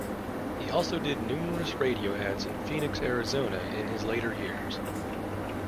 He also did numerous radio ads in Phoenix, Arizona in his later years.